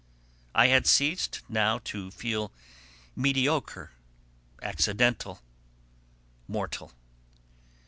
I had ceased now to feel mediocre, accidental, mortal.